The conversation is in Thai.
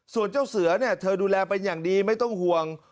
ส่วนเจ้าเสือเนี่ยเธอดูแลเป็นอย่างดีไม่ต้องห่วง